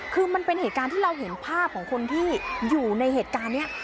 คือมันเป็นเหตุการณ์ที่เราเห็นภาพของคนที่อยู่ในเหตุการณ์นี้